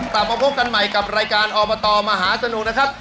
กลับมาพบกันใหม่กับรายการอบตมหาสนุกนะครับ